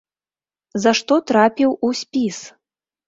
За што трапіў у спіс?